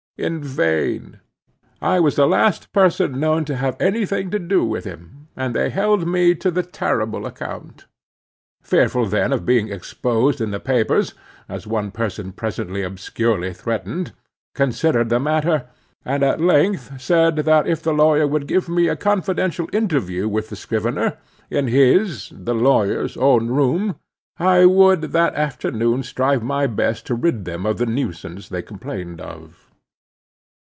In vain:—I was the last person known to have any thing to do with him, and they held me to the terrible account. Fearful then of being exposed in the papers (as one person present obscurely threatened) I considered the matter, and at length said, that if the lawyer would give me a confidential interview with the scrivener, in his (the lawyer's) own room, I would that afternoon strive my best to rid them of the nuisance they complained of.